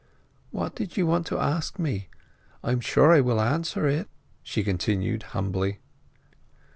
"What did you want to ask me—I am sure I will answer it," she continued humbly.